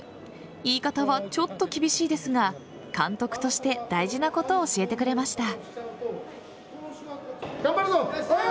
言い方はちょっと厳しいですが監督として大事なことを教えてくれました。